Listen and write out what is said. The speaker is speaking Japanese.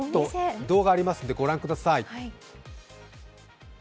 動画がありますのでご覧ください。